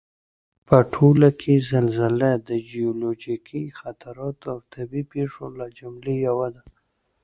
په ټوله کې زلزله د جیولوجیکي خطراتو او طبعي پېښو له جملې یوه ده